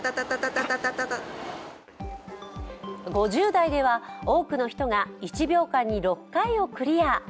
５０代では多くの人が１秒間に６回をクリア。